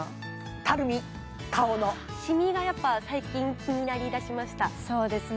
たるみ顔のシミがやっぱ最近気になりだしましたそうですね